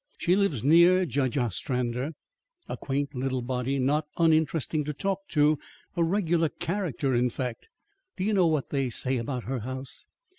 She lives near Judge Ostrander a quaint little body, not uninteresting to talk to; a regular character, in fact. Do you know what they say about her house?